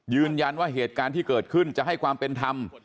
ยืนยันว่าเหตุการณ์ที่เกิดขึ้นจะให้ความเป็นธรรม